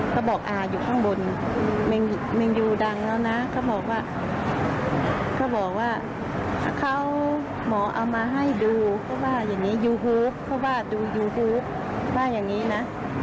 เค้าบอกว่าเค้าหมอเอามาให้ดูเพราะว่าอย่างนี้ยูฮือปเพราะว่าอย่างนี้นะ